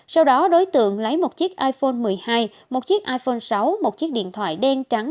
sau đó đối tượng lấy một chiếc iphone một mươi hai một chiếc iphone sáu một chiếc điện thoại đen trắng